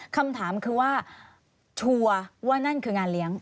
คำถามคือว่าชัวร์ว่านั่นคืองานเลี้ยง